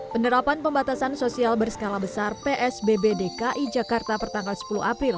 penerapan pembatasan sosial berskala besar psbb dki jakarta pertanggal sepuluh april